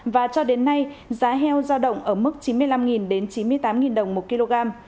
và cho đến nay giá heo giao động ở mức chín mươi năm đến chín mươi tám đồng một kg